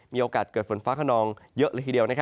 มีโอกาสเกิดฝนฟ้าขนองเยอะเลยทีเดียว